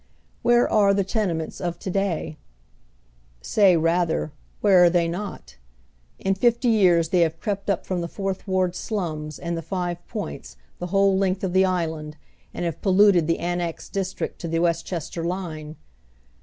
Where are the tenements of to day ? Say rather : where are they not ? In fifty years they have crept np from the I'ourth Ward slums and the Five Points the whole length of the island, and have polluted the Annexed District to the Westchester line.